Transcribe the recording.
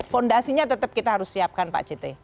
fondasinya tetap kita harus siapkan pak cete